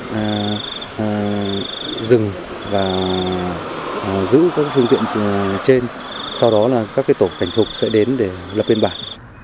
và dừng và giữ các phương tiện trên sau đó là các tổ cảnh phục sẽ đến để lập biên bản